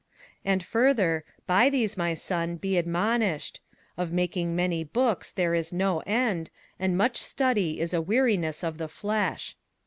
21:012:012 And further, by these, my son, be admonished: of making many books there is no end; and much study is a weariness of the flesh.